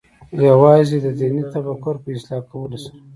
یوازې د دیني تفکر په اصلاح کولو سره.